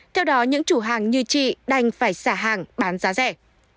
theo đó những chủ hàng như chị đành phải xả hàng bán giá rẻ